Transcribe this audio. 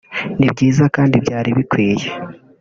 ni byiza kandi byari bikwiye